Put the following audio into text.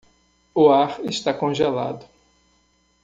O ar está congelado